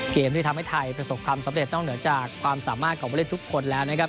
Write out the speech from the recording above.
เกมที่ทำให้ไทยประสบความสำเร็จนอกเหนือจากความสามารถของผู้เล่นทุกคนแล้วนะครับ